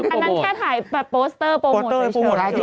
คือถ่ายโปสเตอร์โปโหมดตัดเกิน